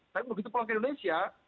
tapi begitu pulang ke indonesia